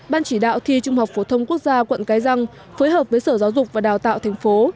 ban chỉ đạo thi trung học phổ thông quốc gia quận cái răng phối hợp với sở giáo dục và đào tạo thành phố